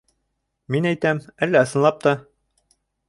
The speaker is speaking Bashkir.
Мин әйтәм, әллә ысынлап та...